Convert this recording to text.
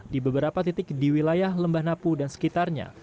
di beberapa titik di wilayah lembah napu dan sekitarnya